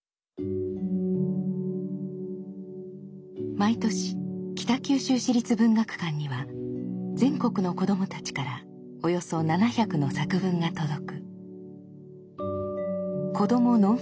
毎年北九州市立文学館には全国の子どもたちからおよそ７００の作文が届く。